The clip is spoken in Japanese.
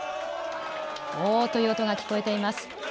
おおという音が聞こえています。